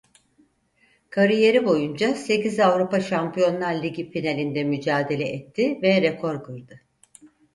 Kariyeri boyunca sekiz Avrupa Şampiyonlar Ligi finalinde mücadele etti ve rekor kırdı.